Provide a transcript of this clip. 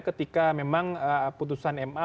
ketika memang putusan ma